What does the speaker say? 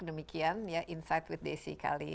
demikian ya insight with desi